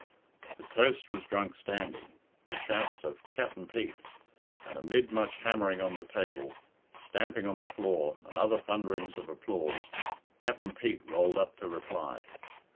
The toast was drunk standing, with shouts of "Cap'n Pete," and, amid much hammering on the table, stamping on the floor, and other thunderings of applause, Cap'n Pete rolled up to reply.